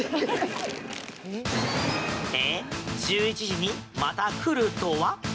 １１時にまた来るとは？